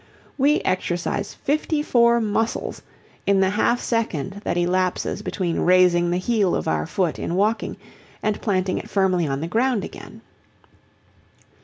We exercise fifty four muscles in the half second that elapses between raising the heel of our foot in walking and planting it firmly on the ground again.